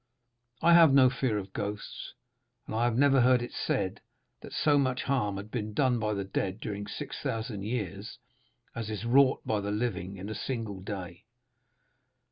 I have no fear of ghosts, and I have never heard it said that so much harm had been done by the dead during six thousand years as is wrought by the living in a single day.